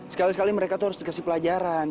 sekali sekali mereka tuh harus dikasih pelajaran